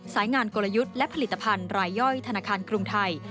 สายงานกลยุทธ์และผลิตภัณฑ์รายย่อยธนาคารกรุงไทย